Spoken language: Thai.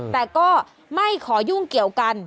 แต่ก็ไม่ขอยุ่งเกี่ยวกัน